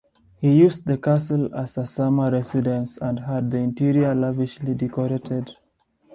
He used the castle as a summer residence and had the interior lavishly decorated.